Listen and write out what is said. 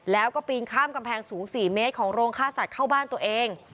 แล้วก็ปีนข้ามกำแพงสูง๔เมตรของโรงฆ่าสัตว์เข้าบ้านตัวเอง